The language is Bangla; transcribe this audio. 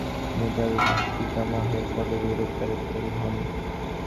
তিনি তার পিতামহের পদবীর উত্তরাধিকারী হন।